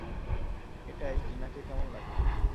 এটায় টিনাকে কেমন লাগবে?